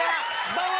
・・どうも！